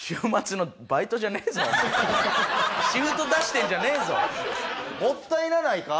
シフト出してんじゃねえぞ。